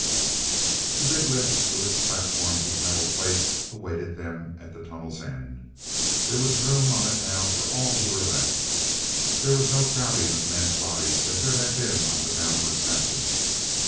he big lift, with its platforms of metal plates, awaited them at the tunnel's end. There was room on it now for all who were left; there was no crowding of men's bodies as there had been on the downward passage.